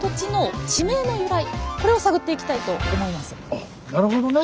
あっなるほどね。